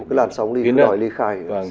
cái làn sóng đi cái đòi ly khai